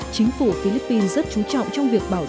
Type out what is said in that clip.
chính phủ philippines rất trú trọng trong việc bảo vệ